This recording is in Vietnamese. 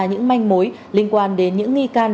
những manh mối liên quan đến những nghi can